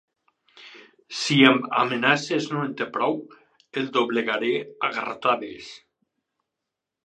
Si amb amenaces no en té prou, el doblegaré a garrotades!